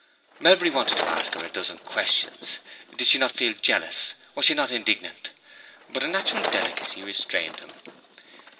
Melbury wanted to ask her a dozen questions—did she not feel jealous? was she not indignant? but a natural delicacy restrained him.